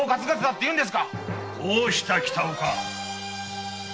どうした北岡？